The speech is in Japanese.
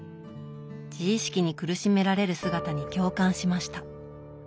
自意識に苦しめられる姿に共感しました。